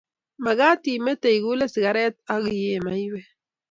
magaat imetee igule sigaret ago iee maywek